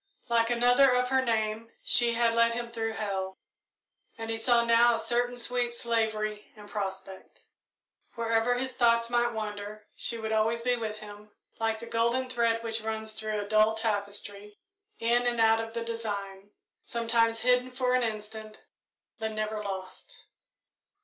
Like another of her name she had led him through hell, and he saw now a certain sweet slavery in prospect. Wherever his thoughts might wander, she would always be with him, like the golden thread which runs through a dull tapestry, in and out of the design, sometimes hidden for an instant, but never lost.